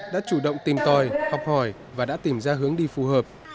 đã chủ động tìm tòi học hỏi và đã tìm ra hướng đi phù hợp